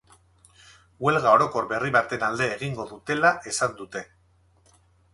Huelga orokor berri baten alde egingo dutela esan dute.